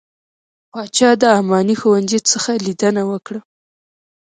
پاچا د اماني ښوونځي څخه څخه ليدنه وکړه .